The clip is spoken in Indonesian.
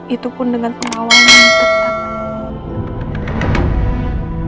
itu pun dengan kemauan yang tepatnya